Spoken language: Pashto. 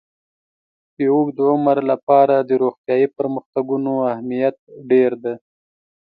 د اوږد عمر لپاره د روغتیايي پرمختګونو اهمیت ډېر دی.